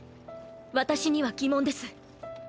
私には疑問です。